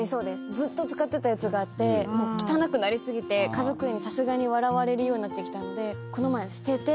ずっと使ってたやつがあって汚くなり過ぎて家族にさすがに笑われるようになってきたのでこの前捨てて。